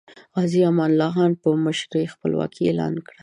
غازی امان الله خان په مشرۍ خپلواکي اعلان کړه.